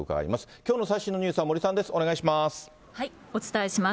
きょうの最新のニュースは森さんお伝えします。